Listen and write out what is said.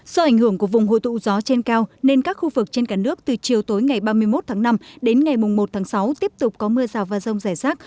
do ảnh hưởng của vùng hội tụ gió trên cao nên các khu vực trên cả nước từ chiều tối ngày ba mươi một tháng năm đến ngày một tháng sáu tiếp tục có mưa rào và rông rải rác